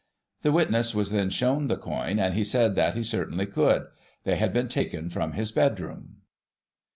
The witness was then shown the coin, and he said that he certainly could. They had been taken from his bed room.